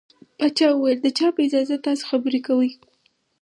پاچا وويل د چا په اجازه تاسو خبرې کوٸ.